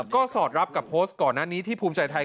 ก็สอดรับกับโพสต์ก่อนหน้านี้ที่ภูมิใจไทย